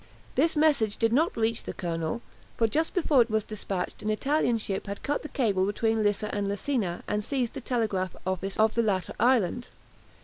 This message did not reach the colonel, for just before it was dispatched an Italian ship had cut the cable between Lissa and Lesina, and seized the telegraph office of the latter island.